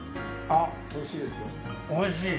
あっ、おいしい。